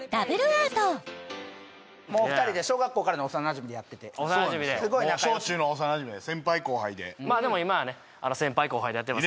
アートもう２人で小学校からの幼なじみでやっててすごい仲良し小・中の幼なじみで先輩後輩でまあでも今はね先輩後輩でやってます